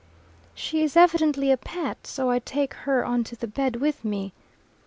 She is evidently a pet, so I take her on to the bed with me.